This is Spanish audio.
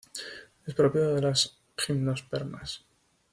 Es propio de las gimnospermas.